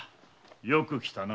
よく来たな。